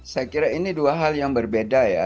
saya kira ini dua hal yang berbeda ya